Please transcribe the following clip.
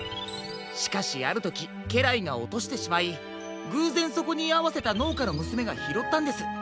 しかしあるときけらいがおとしてしまいぐうぜんそこにいあわせたのうかのむすめがひろったんです。